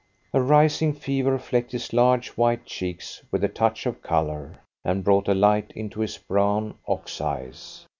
A rising fever flecked his large, white cheeks with a touch of colour, and brought a light into his brown ox eyes.